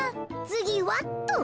つぎはっと。